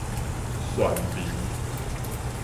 漩民